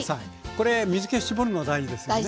これ水け絞るの大事ですよね？